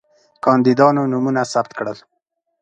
کاندیدانو نومونه ثبت کړل.